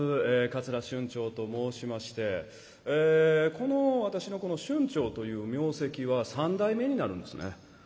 桂春蝶と申しましてこの私のこの「春蝶」という名跡は三代目になるんですね